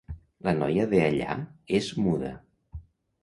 La noia de allà és muda.